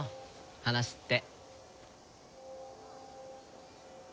話って。